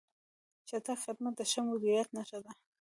چټک خدمت د ښه مدیریت نښه ده.